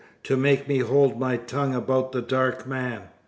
To make me hold my tongue about the dark man.